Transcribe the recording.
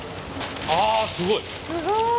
あすごい。